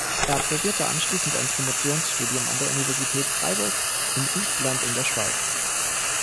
Er absolvierte anschließend ein Promotionsstudium an der Universität Freiburg im Üechtland in der Schweiz.